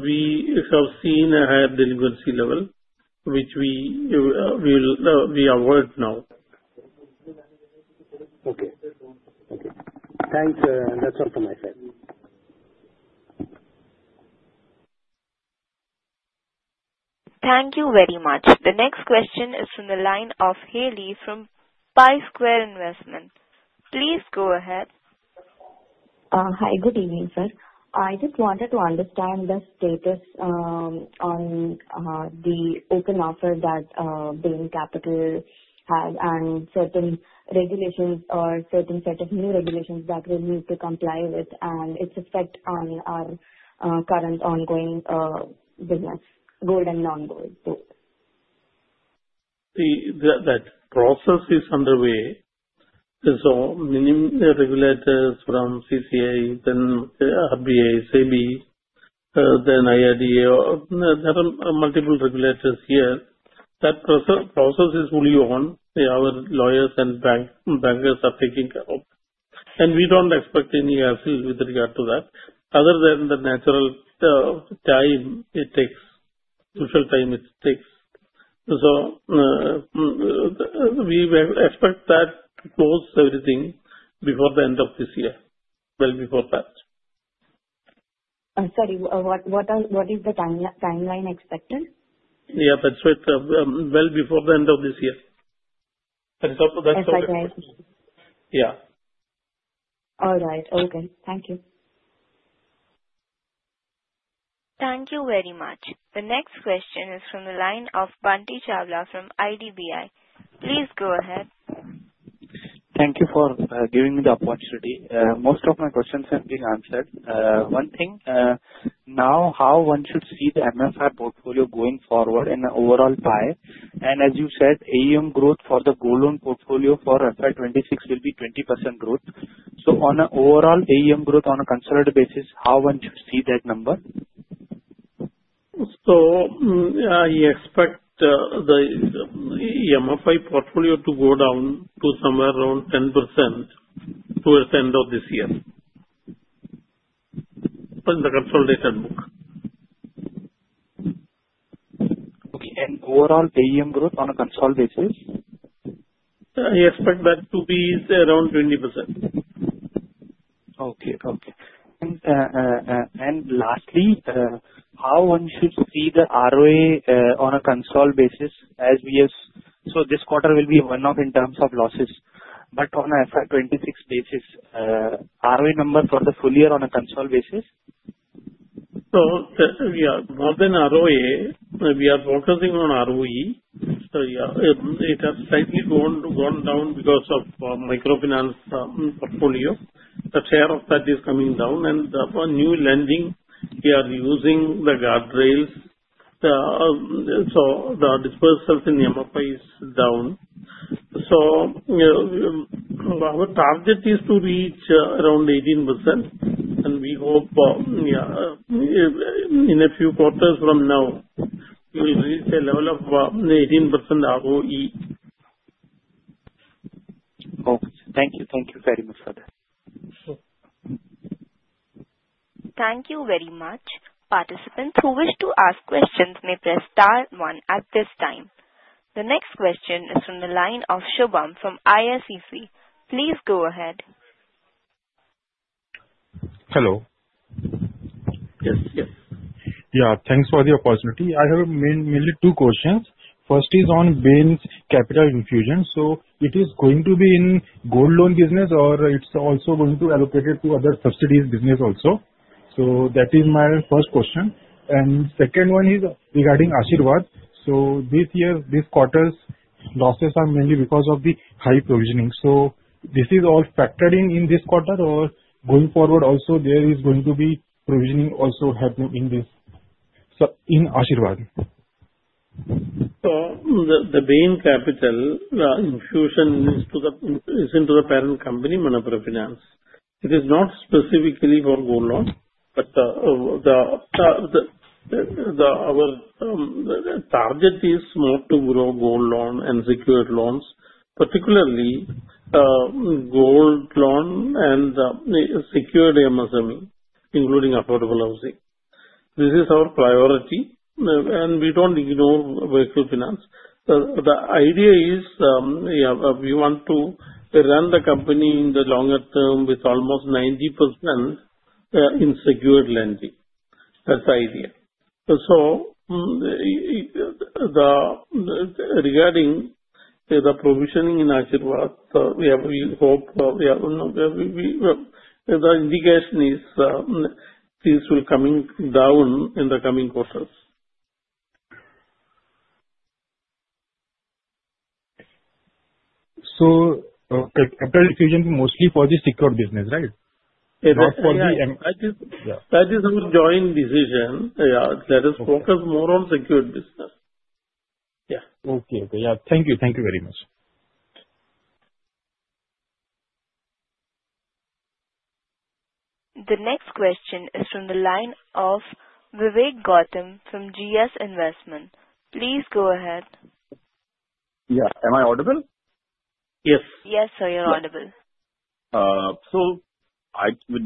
we have seen a higher delinquency level, which we avoid now. Okay. Thanks. That's all from my side. Thank you very much. The next question is from the line of Heli from Pi Square Investments. Please go ahead. Hi. Good evening, sir. I just wanted to understand the status on the open offer that Bain Capital has and certain regulations or certain set of new regulations that we'll need to comply with and its effect on our current ongoing business, gold and non-gold? See, that process is underway. So many regulators from CCI, then RBI, SEBI, then IRDA, there are multiple regulators here. That process is fully on. Our lawyers and bankers are taking care of it. And we don't expect any hassle with regard to that, other than the natural time it takes, usual time it takes. So we expect that to close everything before the end of this year, well before that. I'm sorry. What is the timeline expected? Yeah. That's right. Well before the end of this year. That's our expectation. All right. Okay. Thank you. Thank you very much. The next question is from the line of Bunty Chawla from IDBI. Please go ahead. Thank you for giving me the opportunity. Most of my questions have been answered. One thing, now how one should see the MFI portfolio going forward in the overall pie? And as you said, AUM growth for the Gold Loan portfolio for FY 2026 will be 20% growth. So on an overall AUM growth on a consolidated basis, how one should see that number? I expect the MFI portfolio to go down to somewhere around 10% towards the end of this year in the consolidated book. Okay, and overall AUM growth on a consolidated basis? I expect that to be around 20%. Okay. Okay. And lastly, how one should see the ROA on a consolidated basis as we have so this quarter will be one-off in terms of losses, but on an FY 2026 basis, ROA number for the full year on a consolidated basis? So yeah, more than ROA, we are focusing on ROE. So yeah, it has slightly gone down because of microfinance portfolio. The share of that is coming down. And the new lending, we are using the guardrails. So the disbursal in MFI is down. So our target is to reach around 18%. And we hope, yeah, in a few quarters from now, we will reach a level of 18% ROE. Okay. Thank you. Thank you very much for that. Thank you very much. Participants who wish to ask questions may press star one at this time. The next question is from the line of Shubham from ICICI. Please go ahead. Hello. Yes. Yes. Yeah. Thanks for the opportunity. I have mainly two questions. First is on Bain's capital infusion. So it is going to be in Gold loan business, or it's also going to be allocated to other subsidiaries business also. So that is my first question. And second one is regarding Asirvad. So this year, this quarter's losses are mainly because of the high provisioning. So this is all factored in this quarter, or going forward also, there is going to be provisioning also happening in Asirvad. So the Bain Capital infusion is into the parent company, Manappuram Finance. It is not specifically for Gold Loan, but our target is more to grow Gold Loan and secured loans, particularly Gold Loan and secured MSME, including Affordable Housing. This is our priority, and we don't ignore Microfinance. The idea is we want to run the company in the longer term with almost 90% in secured lending. That's the idea. So regarding the provisioning in Asirvad, we hope we have the indication is things will come down in the coming quarters. So capital infusion is mostly for the secured business, right? That is our joint decision. Yeah. Let us focus more on secured business. Yeah. Okay. Okay. Yeah. Thank you. Thank you very much. The next question is from the line of Vivek Gautam from GS Investments. Please go ahead. Yeah. Am I audible? Yes. Yes, sir. You're audible. So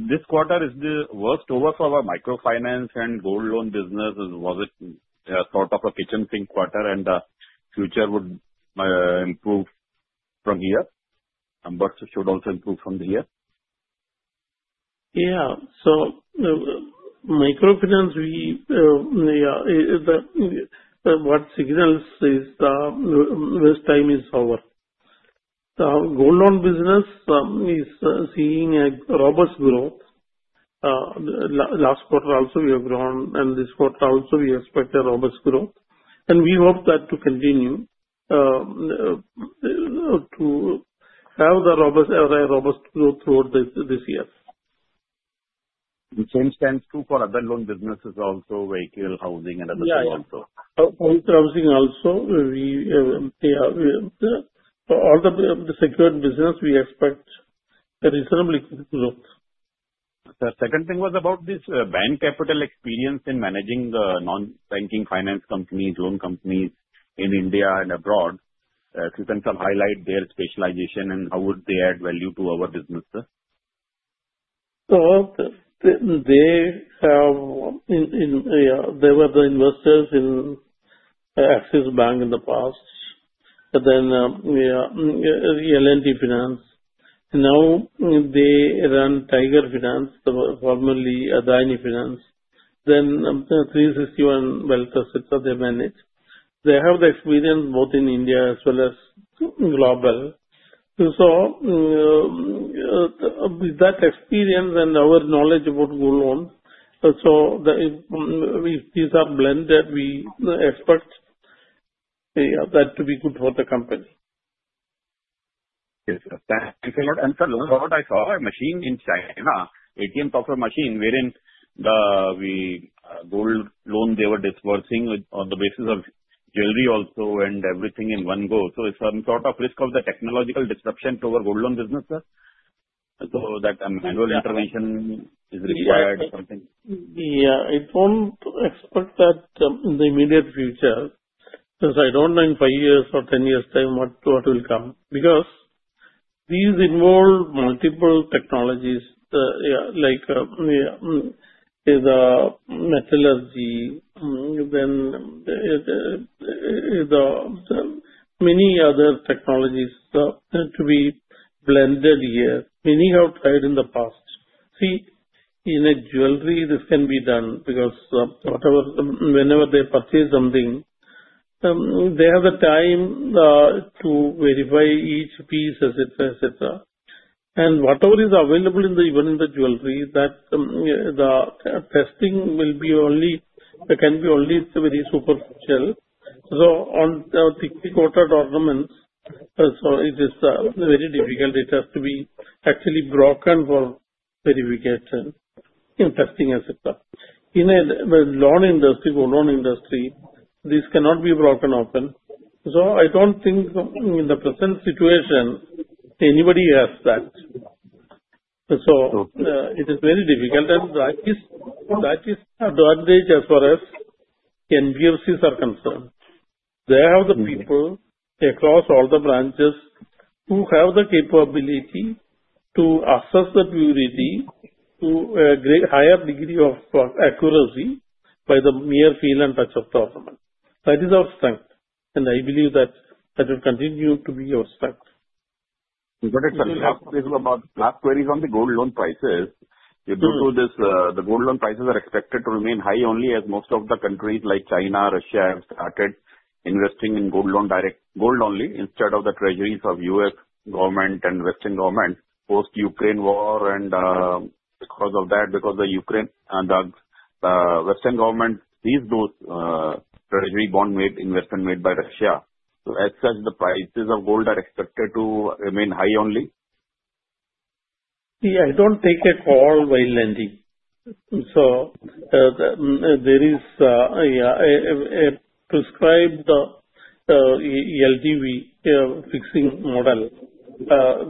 this quarter is the worst over for our Microfinance and Gold Loan business. Was it sort of a kitchen sink quarter, and the future would improve from here? Numbers should also improve from here. Yeah. So microfinance, yeah, what signals is the worst time is over. Gold loan business is seeing a robust growth. Last quarter also, we have grown, and this quarter also, we expect a robust growth. And we hope that to continue to have a robust growth throughout this year. The same stands true for other loan businesses also, vehicle, housing and other things also. Yeah. Housing also. All the secured business, we expect reasonably good growth. The second thing was about this Bain Capital experience in managing the non-banking finance companies, loan companies in India and abroad. If you can sort of highlight their specialization and how would they add value to our business? So they have been the investors in Axis Bank in the past, then L&T Finance. Now they run Tyger Finance, formerly Adani Finance. Then 360 ONE Wealth, etc., they manage. They have the experience both in India as well as global. So with that experience and our knowledge about Gold Loans, so if these are blended, we expect that to be good for the company. Yes. If you can answer the one word I saw, a machine in China, ATM type of machine, wherein the Gold Loan they were disbursing on the basis of jewelry also and everything in one go. So it's some sort of risk of the technological disruption to our Gold Loan business. So that a manual intervention is required or something. Yeah. I don't expect that in the immediate future because I don't know in five years or 10 years' time what will come because these involve multiple technologies like the metallurgy, then many other technologies to be blended here. Many have tried in the past. See, in jewelry, this can be done because whenever they purchase something, they have the time to verify each piece, etc. And whatever is available even in the jewelry, that the testing can be only very superficial. So on the carat ornaments, so it is very difficult. It has to be actually broken for verification, testing, etc. In the Gold Loan industry, this cannot be broken open. So I don't think in the present situation, anybody has that. So it is very difficult. And that is advantage as far as NBFCs are concerned. They have the people across all the branches who have the capability to assess the purity to a higher degree of accuracy by the mere feel and touch of the ornament. That is our strength, and I believe that that will continue to be our strength. Good. Last queries on the gold prices. You do this. The gold prices are expected to remain high only as most of the countries like China, Russia have started investing in gold directly, gold only instead of the treasuries of U.S. government and Western government post-Ukraine war. And because of that, because the Western government sees those treasury bond investment made by Russia, so as such, the prices of gold are expected to remain high only? Yeah. I don't take a call while lending. So there is a prescribed LTV fixing model. Yeah.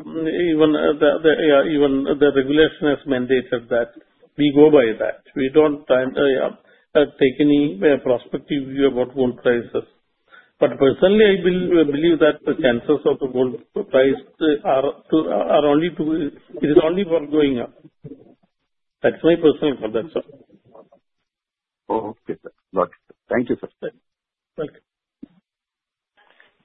Even the regulation has mandated that we go by that. We don't take any prospective view about gold prices. But personally, I believe that the chances of the gold price are only to it is only for going up. That's my personal comment, sir. Okay. Thank you, sir. Thank you.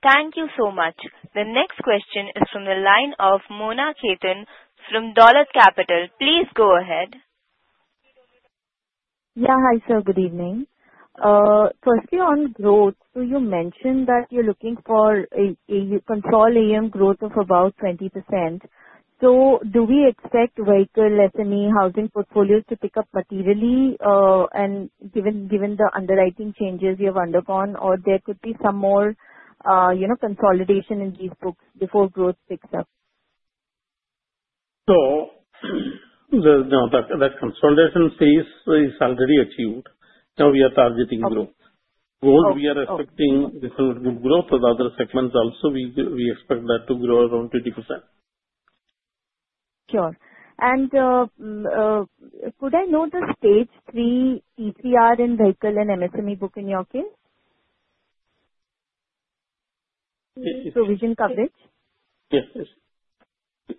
Thank you so much. The next question is from the line of Mona Khetan from Dolat Capital. Please go ahead. Yeah. Hi, sir. Good evening. First, on growth, you mentioned that you're looking for a controlled AUM growth of about 20%. So do we expect vehicle, SME, housing portfolios to pick up materially given the underwriting changes you have undergone, or there could be some more consolidation in these books before growth picks up? So, no. That consolidation phase is already achieved. Now we are targeting growth. Gold, we are expecting good growth. The other segments also, we expect that to grow around 20%. Sure. And could I note the stage three ETR in vehicle and MSME book in your case? Provision coverage? Yes. Yes.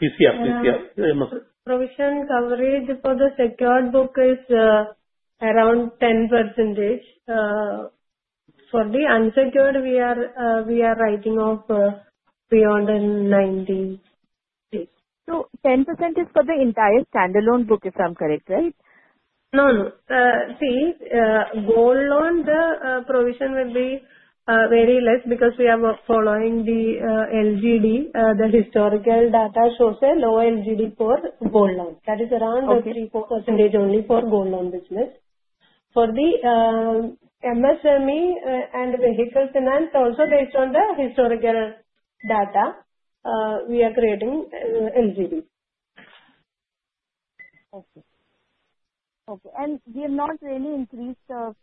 PCF. PCF. Provision coverage for the secured book is around 10%. For the unsecured, we are writing off beyond 90. So 10% is for the entire standalone book if I'm correct, right? No. No. See, Gold Loan, the provision will be very less because we are following the LGD. The historical data shows a lower LGD for Gold Loan. That is around 3%-4% only for Gold Loan business. For the MSME and Vehicle Finance, also based on the historical data, we are creating LGD. Okay. And we have not really increased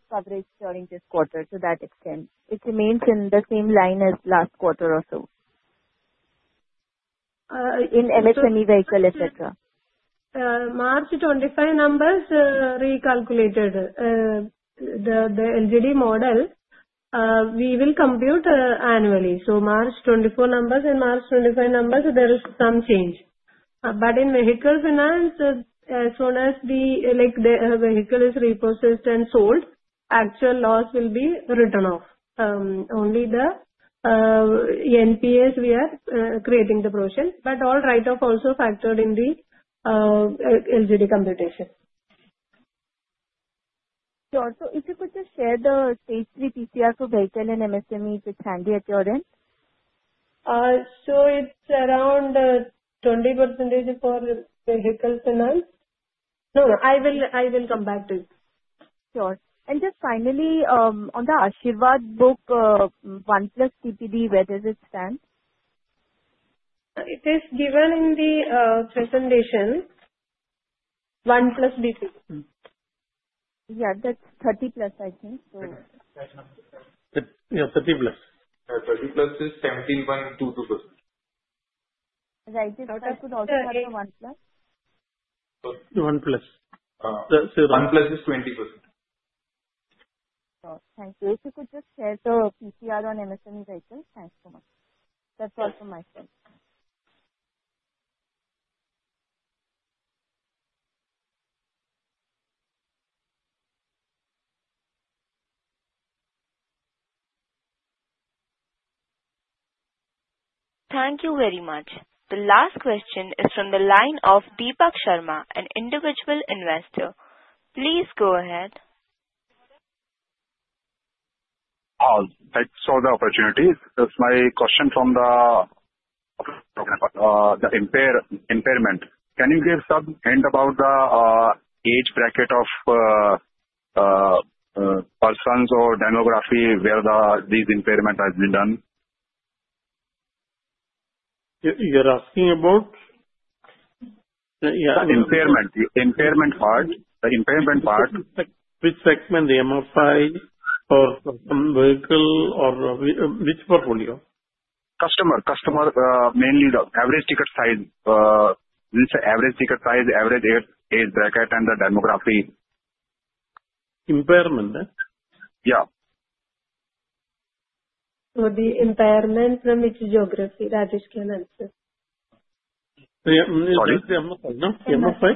coverage during this quarter to that extent. It remains in the same line as last quarter or so. In MSME vehicle, etc. March 25 numbers recalculated. The LGD model, we will compute annually. So March 24 numbers and March 25 numbers, there is some change. But in Vehicle Finance, as soon as the vehicle is repurchased and sold, actual loss will be written off. Only the NPAs, we are creating the provision. But all write-off also factored in the LGD computation. Sure. So if you could just share the stage three PCR for vehicle and MSME, if it's handy at your end. So it's around 20% for Vehicle Finance. No. No. I will come back to you. Sure. And just finally, on the Asirvad book, 1+ DPD, where does it stand? It is given in the presentation. One plus DPD. Yeah. That's 30+, I think. So. Yeah. 30+, 30 plus is 17.22%. Right. If I could also have the one plus. One plus. One plus is 20%. Sure. Thank you. If you could just share the PCR on MSME vehicle? Thanks so much. That's all from my side. Thank you very much. The last question is from the line of Deepak Sharma, an individual investor. Please go ahead. I saw the opportunity. That's my question from the impairment. Can you give some hint about the age bracket of persons or demography where these impairments have been done? You're asking about? Yeah. The impairment part. The impairment part. Which segment? The MFI or vehicle or which portfolio? Customer, mainly the average ticket size. We'll say average ticket size, average age bracket, and the demography. Impairment? Yeah. So the impairment from which geography? Rajesh can answer. Yeah. MFI. MFI.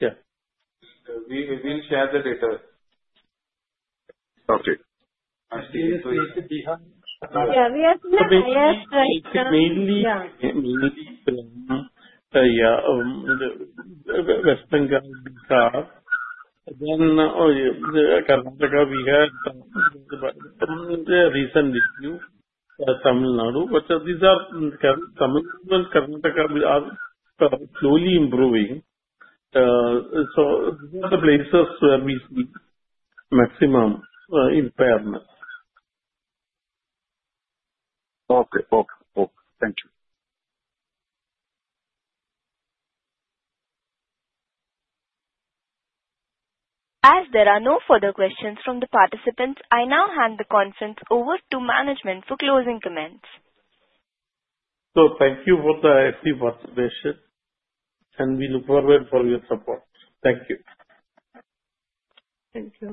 Yeah. We will share the data. Okay. Yeah. We have mainly West Bengal, Bihar, then Karnataka. We had recent issue in Tamil Nadu, but these Karnataka are slowly improving. So these are the places where we see maximum impairment. Okay. Thank you. As there are no further questions from the participants, I now hand the conference over to management for closing comments. So thank you for the active participation. And we look forward for your support. Thank you. Thank you.